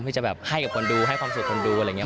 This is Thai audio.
เพื่อจะแบบให้กับคนดูให้ความสุขคนดูอะไรอย่างนี้